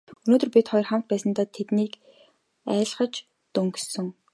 Өнөөдөр бид хоёр хамт байсандаа тэднийг айлгаж дөнгөсөн.